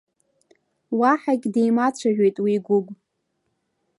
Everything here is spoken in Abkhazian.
Уаҳагь димацәажәеит уи Гәыгә.